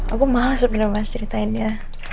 aku males udah ngerasain mas ceritain dia